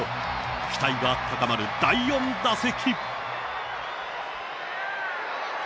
期待が高まる第４打席。